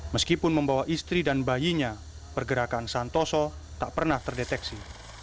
meskipun membawa istri dan bayinya pergerakan santoso tak pernah terdeteksi